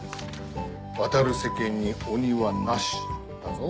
「渡る世間に鬼はなし」だぞ。